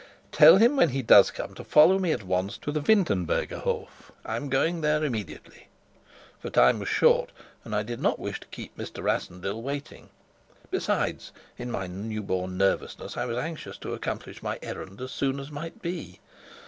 "Tell him when he does come to follow me at once to the Wintenbergerhof. I'm going there immediately." For time was short, and I did not wish to keep Mr. Rassendyll waiting. Besides, in my new born nervousness, I was anxious to accomplish my errand as soon as might be.